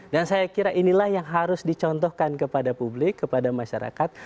saya kira inilah yang harus dicontohkan kepada publik kepada masyarakat